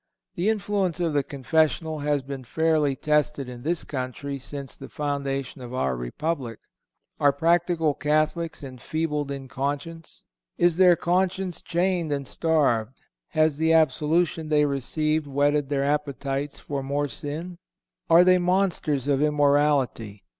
The influence of the confessional has been fairly tested in this country since the foundation of our Republic. Are practical Catholics enfeebled in conscience? Is their conscience chained and starved? Has the absolution they received whetted their appetites for more sin? Are they monsters of immorality?